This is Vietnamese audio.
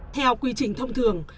theo quy trình thông thường